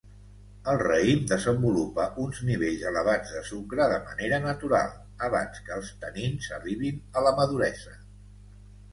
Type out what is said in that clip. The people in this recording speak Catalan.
El raïm desenvolupa uns nivells elevats de sucre de manera natural abans que els tanins arribin a la maduresa.